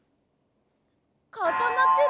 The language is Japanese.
かたまってる？